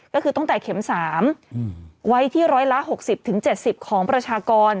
ก็คือตั้งแต่เข็ม๓ไว้ที่ร้อยละ๖๐๗๐ของประชากร